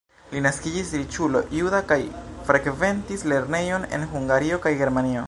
Li naskiĝis riĉulo juda kaj frekventis lernejojn en Hungario kaj Germanio.